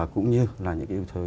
cũng như là những cái ưu thế